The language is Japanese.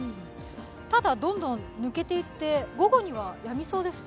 ただ、どんどん抜けていって、午後にはやみそうですか。